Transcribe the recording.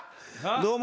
どうも。